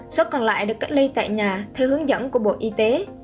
số còn lại được cách ly tại nhà theo hướng dẫn của bộ y tế